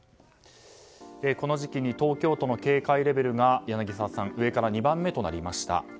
この時期に東京都の警戒レベルが上から２番目となりました